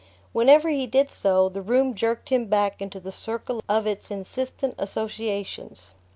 Whenever he did so, the room jerked him back into the circle of its insistent associations.